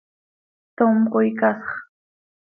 ¡Tom coi casx!